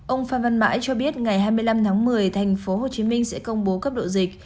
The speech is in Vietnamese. ông phan văn mãi cho biết ngày hai mươi năm tháng một mươi tp hcm sẽ công bố cấp độ dịch